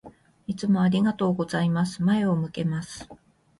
いつもありがとうございます。前を向けます。